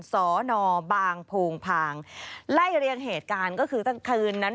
สอนอบางโพงพางไล่เรียงเหตุการณ์ก็คือตั้งคืนนั้น